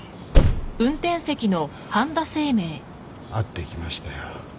会ってきましたよ。